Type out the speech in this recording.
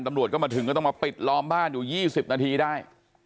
ตำรวจก็มาถึงก็ต้องมาปิดล้อมบ้านอยู่๒๐นาทีได้